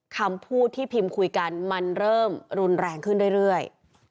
คำพูดที่พิมพ์คุยกันมันเริ่มรุนแรงขึ้นเรื่อย